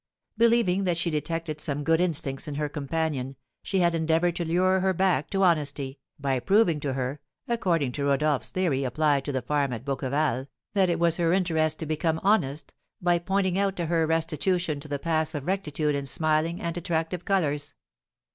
Believing that she detected some good instincts in her companion, she had endeavoured to lure her back to honesty, by proving to her (according to Rodolph's theory, applied to the farm at Bouqueval) that it was her interest to become honest, by pointing out to her restitution to the paths of rectitude in smiling and attractive colours.